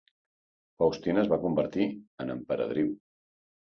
Faustina es va convertir en emperadriu.